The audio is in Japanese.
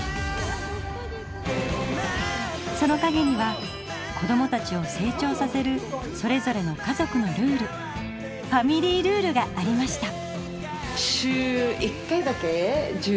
そのかげには子どもたちを成長させるそれぞれの家族のルールファミリールールがありました！